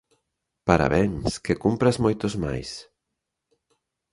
Parabéns! Que cumpras moitos máis!